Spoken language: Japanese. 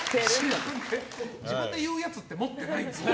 自分で言うやつって持ってないんですよ。